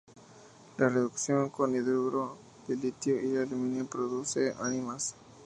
La reducción con hidruro de litio y aluminio produce aminas.